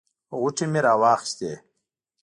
غوټې مې راواخیستې.